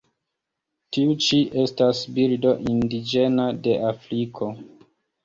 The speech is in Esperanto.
Tiu ĉi estas birdo indiĝena de Afriko.